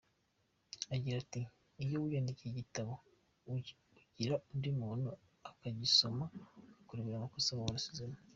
Agira ati “iyo wiyandikiye igitabo ugira undi muntu ukigusomera, akakurebera amakosa waba warasizemo.